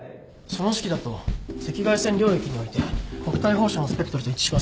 その式だと赤外線領域において黒体放射のスペクトルとは一致しません。